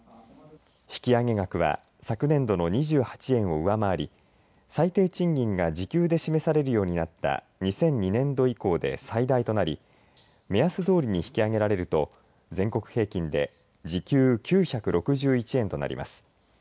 引き上げ額は昨年度の２８円を上回り最低賃金が時給で示されるようになった２００２年度以降で最大となり目安どおりに引き上げられると全国平均で時給９６１円となります。